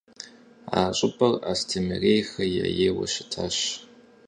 А щӏыпӏэр Астемырейхэм ейуэ щытащ.